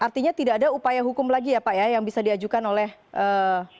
artinya tidak ada upaya hukum lagi ya pak ya yang bisa diajukan oleh pemerintah